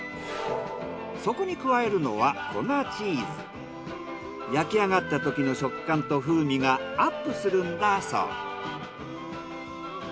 そこに加えるのは焼きあがったときの食感と風味がアップするんだそう。